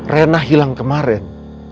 rena hilang kemarin